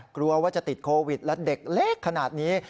กลัวว่าจะติดโควิดและเด็กเล็กขนาดนี้